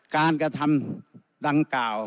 การกระทำดังกล่าว